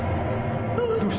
どうした？